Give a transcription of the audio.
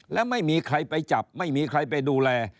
และไม่มีใครไปจับไม่มีใครไปดูแล